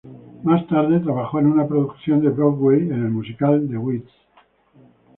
Más tarde trabajó en una producción en Broadway, en el musical "The Wiz".